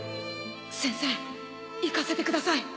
先生行かせてください。